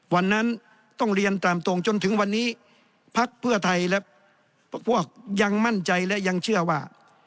วันนั้นต้องเรียนตามตรงจนถึงวันนี้พักเพื่อไทยและพวกยังมั่นใจและยังเชื่อว่า